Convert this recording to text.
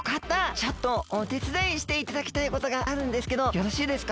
ちょっとおてつだいしていただきたいことがあるんですけどよろしいですか？